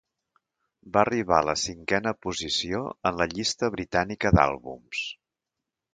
Va arribar a la cinquena posició en la llista britànica d'àlbums.